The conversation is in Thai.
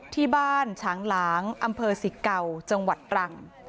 ที่บ้านฉางหลางอำเภอสิเก่าจังหวัดตรัง